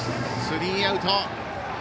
スリーアウト。